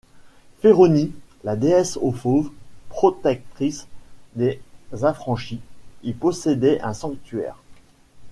Féronie, la déesse aux fauves, protectrice des affranchis, y possédait un sanctuaire.